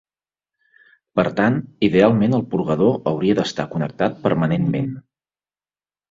Per tant, idealment el purgador hauria d'estar connectat permanentment.